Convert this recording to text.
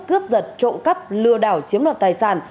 cướp giật trộm cắp lừa đảo chiếm đoạt tài sản